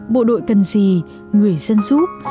bộ đội cần gì người dân giúp